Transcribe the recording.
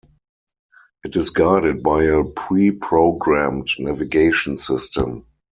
It is guided by a preprogrammed navigation system.